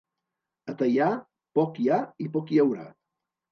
A Teià, poc hi ha i poc hi haurà.